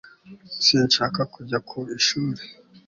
sinshaka kujya ku ishuri